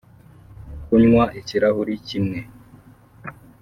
kunywa ikirahuri kimwe